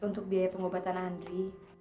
untuk biaya pengobatan andri